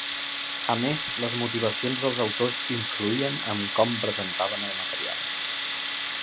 A més, les motivacions dels autors influïen en com presentaven el material.